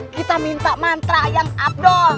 kita minta mantra yang abdol